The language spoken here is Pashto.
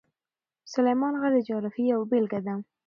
سلیمان غر د جغرافیې یوه بېلګه ده.